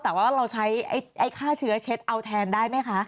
แต่ว่าเราใช้ฆ่าเชื้อเช็ดเอาแทนได้ไหมคะ